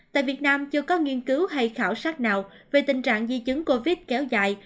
tại việt nam chưa có nghiên cứu hay khảo sát nào về tình trạng di chứng covid kéo dài